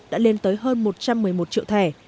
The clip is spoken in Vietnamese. đã lên tới hơn một trăm một mươi một triệu thẻ